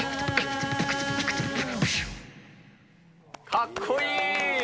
かっこいい。